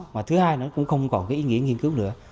và thứ hai nó cũng không còn cái ý nghĩa nghiên cứu nữa